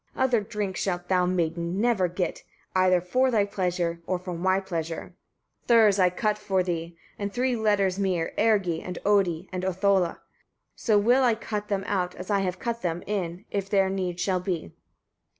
Other drink shalt thou, maiden! never get, either for thy pleasure, or for my pleasure. 36. Thurs I cut for thee, and three letters mere: ergi, and oedi, and othola. So will I cut them out, as I have cut them, in, if there need shall be.